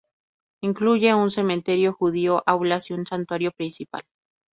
Incluye un cementerio judío, aulas y un santuario principal.